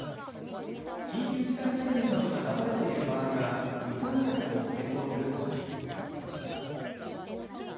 緊急事態宣言などが出されている場合は無観客も検討するとしています。